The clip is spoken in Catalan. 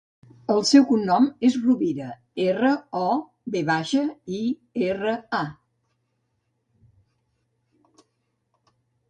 El seu cognom és Rovira: erra, o, ve baixa, i, erra, a.